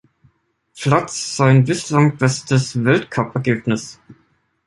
Platz sein bislang bestes Weltcup-Ergebnis.